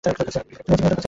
ছুড়ি আছে না তোর কাছে?